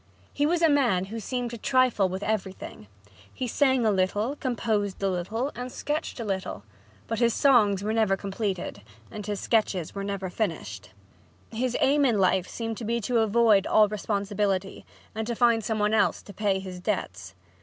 He was a man who seemed to trifle with everything. He sang a little, composed a little and sketched a little. But his songs were never completed and his sketches never finished. His aim in life seemed to be to avoid all responsibility, and to find some one else to pay his debts.